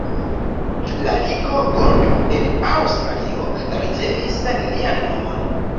La Ligo Gould en Aŭstralio ricevis lian nomon.